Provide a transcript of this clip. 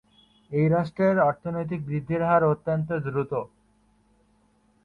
এই রাষ্ট্রের অর্থনৈতিক বৃদ্ধির হার অত্যন্ত দ্রুত।